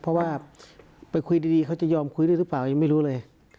เพราะว่าไปคุยดีเขาจะยอมคุยด้วยหรือเปล่ายังไม่รู้เลย